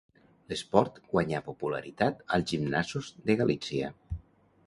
L'esport guanyà popularitat als gimnasos de Galítsia.